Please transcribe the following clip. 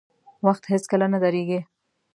• وخت هیڅکله نه درېږي.